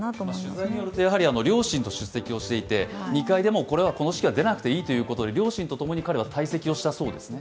取材によると両親と出席をしていて、２階で、もう式に出なくていいということで、両親とともに彼は退席をしたそうですね。